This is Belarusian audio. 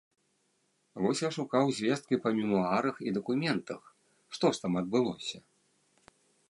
Вось я шукаў звесткі па мемуарах і дакументах, што ж там адбылося.